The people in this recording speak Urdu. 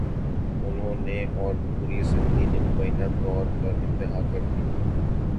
انہوں نے اور پوری اسمبلی نے مبینہ طور پر انتہا کر دی تھی۔